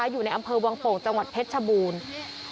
อยู่ในอำเภอวังโป่งจังหวัดเพชรชบูรณ์